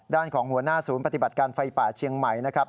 ด้านของหัวหน้าศูนย์ปฏิบัติการไฟป่าเชียงใหม่นะครับ